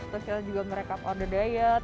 setelah itu juga merekap order diet